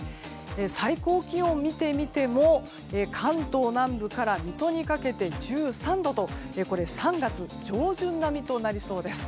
最高気温を見てみても関東南部から水戸にかけて１３度とこれは３月上旬並みとなりそうです。